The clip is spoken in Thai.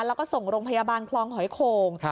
แล้วก็ส่งโรงพยาบาลคลองหอยโข่ง